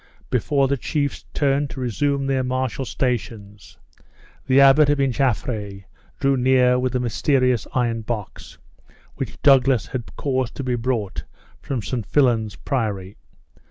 Before the chiefs turned to resume their martial stations, the abbot of Inchaffray drew near with the mysterious iron box, which Douglas had caused to be brought from St. Fillan's Priory.